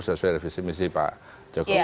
sesuai dengan visi misi pak